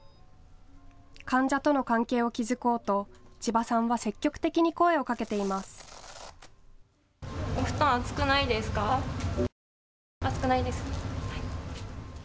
患者との関係を築こうと千葉さんは積極的に声をかけています。